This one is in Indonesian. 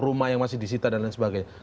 rumah yang masih disita dan lain sebagainya